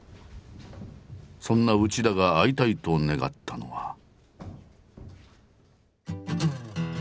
そんな内田が会いたいと願ったのは。